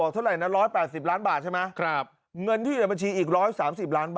โอ้โหเงินล้านเป็นเงินล้าน